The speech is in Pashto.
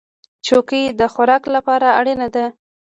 چوکۍ د خوراک لپاره اړینه ده.